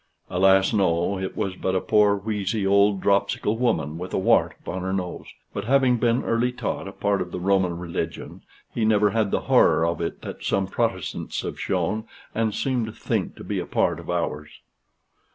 Alas no, it was but a poor wheezy old dropsical woman, with a wart upon her nose. But having been early taught a part of the Roman religion, he never had the horror of it that some Protestants have shown, and seem to think to be a part of ours.